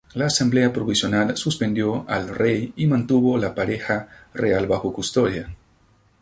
La Asamblea provisional suspendió al rey y mantuvo a la pareja real bajo custodia.